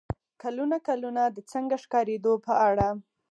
کلونه کلونه د "څنګه ښکارېدو" په اړه